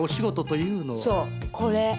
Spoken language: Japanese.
そうこれ。